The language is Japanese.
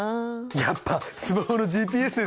やっぱスマホのＧＰＳですよね。